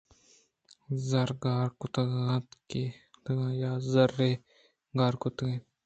زَر گار کُتگ اَنت ئِے یا زر ئِے گار کُتگ اَنت۔